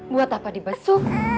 buat apa dibesuk